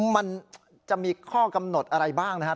มันจะมีข้อกำหนดอะไรบ้างนะครับ